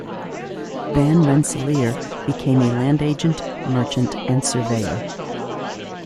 Van Rensselaer became a land agent, merchant, and surveyor.